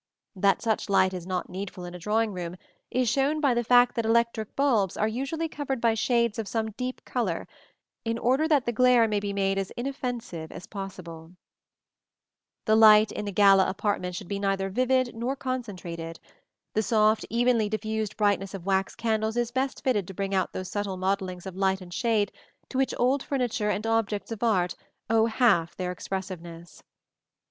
That such light is not needful in a drawing room is shown by the fact that electric bulbs are usually covered by shades of some deep color, in order that the glare may be made as inoffensive as possible. [Illustration: PLATE XXXVI. SALON, PALACE OF FONTAINEBLEAU.] The light in a gala apartment should be neither vivid nor concentrated: the soft, evenly diffused brightness of wax candles is best fitted to bring out those subtle modellings of light and shade to which old furniture and objects of art owe half their expressiveness.